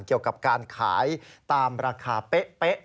เกี่ยวกับการขายตามราคาเป๊ะ